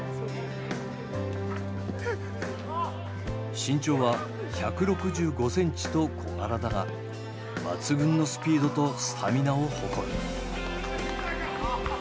身長は１６５センチと小柄だが抜群のスピードとスタミナを誇る。